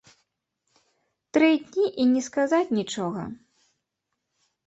Тры дні і не сказаць нічога?!